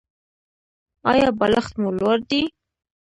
ایا بالښت مو لوړ دی؟